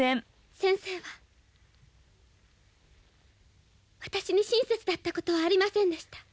先生は私に親切だった事はありませんでした。